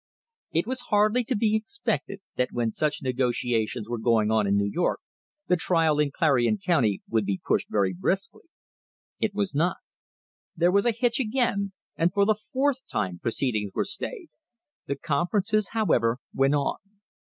It was hardly to be expected that when such negoti ations were going on in New York the trial in Clarion County would be pushed very briskly. It was not. There was a hitch again, and for the fourth time proceedings were stayed. The. conferences, however, went on.